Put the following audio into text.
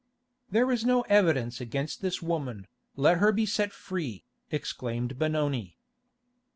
"There is no evidence against this woman, let her be set free," exclaimed Benoni.